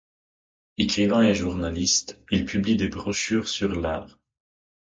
Écrivain et journaliste il publie des brochures sur l'art.